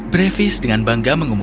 brevis dengan bangga mengumumkan